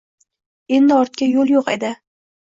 Endi ortga yo'l yo'q edi